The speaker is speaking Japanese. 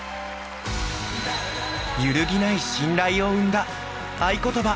揺るぎない信頼を生んだ愛ことば。